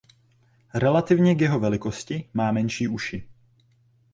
Relativně k jeho velikosti má menší uši.